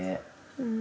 うん。